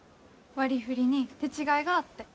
割りふりに手違いがあって。